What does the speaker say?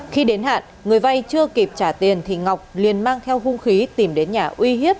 khi đến hạn người vay chưa kịp trả tiền thì ngọc liền mang theo hung khí tìm đến nhà uy hiếp